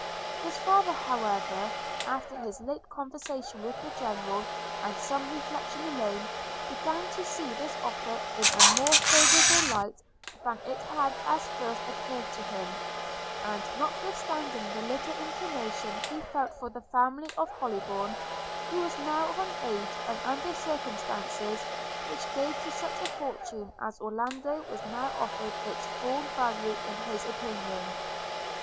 His father, however, after his late conversation with the General, and some reflection alone, began to see this offer in a more favourable light than it had as first appeared to him; and notwithstanding the little inclination he felt for the family of Hollybourn, he was now of an age and under circumstances which gave to such a fortune as Orlando was now offered its full value in his opinion.